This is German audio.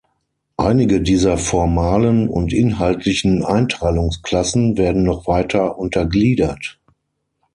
Einige dieser formalen und inhaltlichen Einteilungs-Klassen werden noch weiter untergliedert.